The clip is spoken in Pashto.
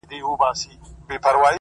لوړ اخلاق تل روښانه پاتې کېږي,